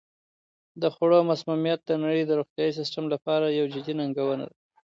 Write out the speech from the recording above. د خوړو مسمومیت د نړۍ د روغتیايي سیستم لپاره یوه جدي ننګونه ده.